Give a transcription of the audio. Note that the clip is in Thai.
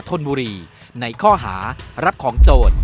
ธนบุรีในข้อหารับของโจร